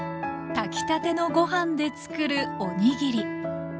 炊きたてのご飯でつくるおにぎり。